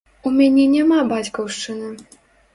У мяне няма бацькаўшчыны!